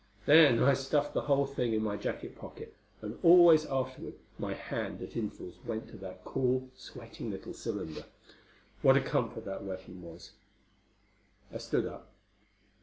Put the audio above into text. Then I stuffed the whole thing in my jacket pocket; and always afterward my hand at intervals went to that cool, sweating little cylinder. What a comfort that weapon was! I stood up.